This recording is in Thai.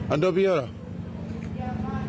อันด้วยพี่หรอ